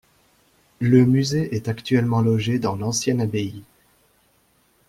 Le musée est actuellement logé dans l'ancienne abbaye.